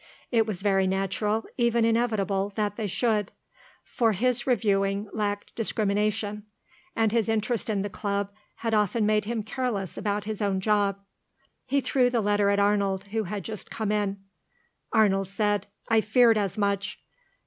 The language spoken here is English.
It was very natural, even inevitable, that they should; for his reviewing lacked discrimination, and his interest in the Club had often made him careless about his own job. He threw the letter at Arnold, who had just come in. Arnold said, "I feared as much."